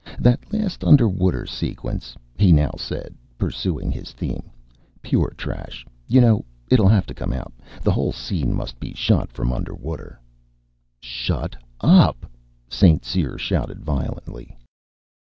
"That last underwater sequence," he now said, pursuing his theme. "Pure trash, you know. It'll have to come out. The whole scene must be shot from under water." "Shut up!" St. Cyr shouted violently.